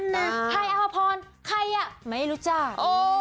ไฮอาวะพรใครอะไม่รู้จัก